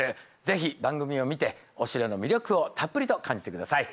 是非番組を見てお城の魅力をたっぷりと感じて下さい。